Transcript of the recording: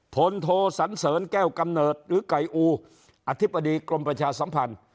โทสันเสริญแก้วกำเนิดหรือไก่อูอธิบดีกรมประชาสัมพันธ์